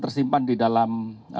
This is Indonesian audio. tersimpan di dalam